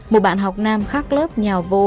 một bạn học nam khác lớp nhà vô